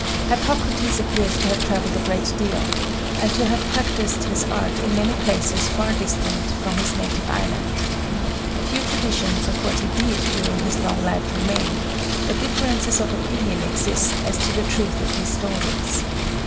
Hippocrates appears to have travelled a great deal, and to have practised his art in many places far distant from his native island. A few traditions of what he did during his long life remain, but differences of opinion exist as to the truth of these stories.